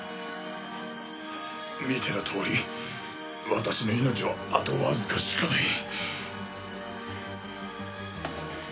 見てのとおり私の命はあとわずかしかない。